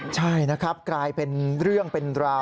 ใช่นะครับกลายเป็นเรื่องเป็นราว